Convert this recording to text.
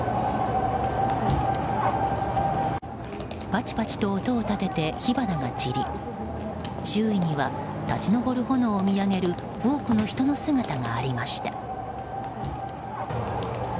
パチパチと音を立てて火花が散り周囲には立ち上る炎を見上げる多くの人の姿がありました。